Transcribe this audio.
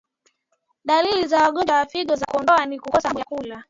Dalili za ugonjwa wa figo za kondoo ni kukosa hamu ya kula